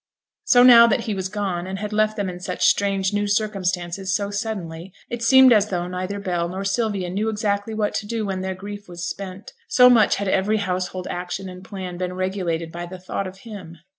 So now that he was gone and had left them in such strange new circumstances so suddenly, it seemed as though neither Bell nor Sylvia knew exactly what to do when their grief was spent, so much had every household action and plan been regulated by the thought of him.